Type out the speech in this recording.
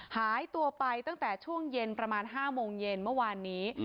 หายตัวไปตั้งแต่ช่วงเย็นประมาณ๕โมงเย็นเมื่อวานนี้